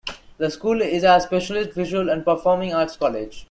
The school is a specialist visual and performing Arts College.